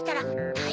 はい。